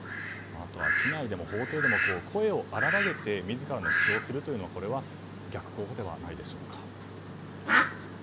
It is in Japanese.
あとは機内でも法廷でも声を荒らげて自らの主張をするのは逆効果ではないでしょうか。